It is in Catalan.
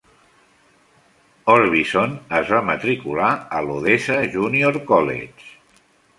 Orbison es va matricular a l'Odessa Junior College.